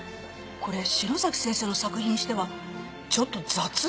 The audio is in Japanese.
これ篠崎先生の作品にしてはちょっと雑だわね。